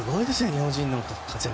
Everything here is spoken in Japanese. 日本人の活躍。